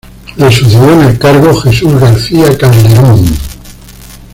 Le sucedió en el cargo Jesús García Calderón.